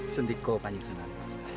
sendiko kanjeng sunan